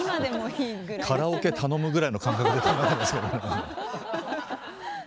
カラオケ頼むぐらいの感覚で頼んでますけど何か。